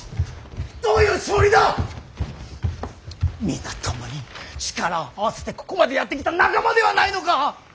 皆共に力を合わせてここまでやってきた仲間ではないのか。